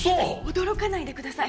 驚かないでください。